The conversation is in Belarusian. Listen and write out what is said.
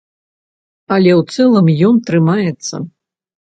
Але, у цэлым, ён трымаецца.